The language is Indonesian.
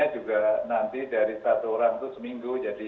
akan dibikinnya juga nanti dari satu orang itu seminggu